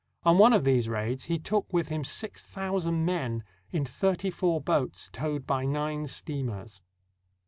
On one of these raids he took with him six thou sand men in thirty four boats towed by nine steamers.